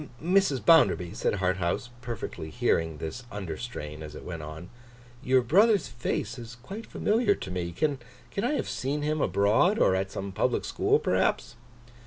'Mrs. Bounderby,' said Harthouse, perfectly hearing this under strain as it went on; 'your brother's face is quite familiar to me. Can I have seen him abroad? Or at some public school, perhaps?